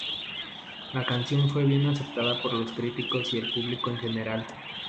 La canción fue bien aceptada por los críticos y el público en general.